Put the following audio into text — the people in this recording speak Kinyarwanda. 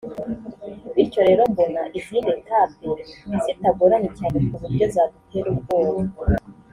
bityo rero mbona izindi Etape zitagoranye cyane ku buryo zadutera ubwoba”